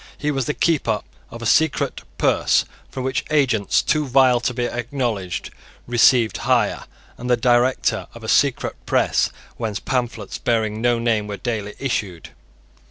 He was the keeper of a secret purse from which agents too vile to be acknowledged received hire, and the director of a secret press whence pamphlets, bearing no name, were daily issued.